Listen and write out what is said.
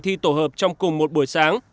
thay vì hai bài thi tổ hợp trong cùng một buổi sáng